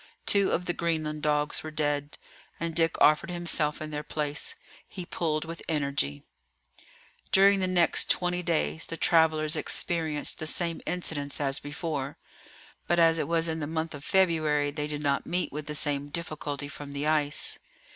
Two of the Greenland dogs were dead, and Dick offered himself in their place. He pulled with energy. During the next twenty days the travellers experienced the same incidents as before. But as it was in the month of February they did not meet with the same difficulty from the ice.